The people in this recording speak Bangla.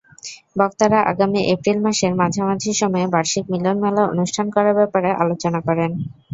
বক্তারা আগামী এপ্রিল মাসের মাঝামাঝি সময়ে বার্ষিক মিলনমেলা অনুষ্ঠান করার ব্যাপারে আলোচনা করেন।